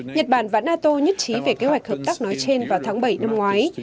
nhật bản và nato nhất trí về kế hoạch hợp tác nói trên vào tháng bảy năm ngoái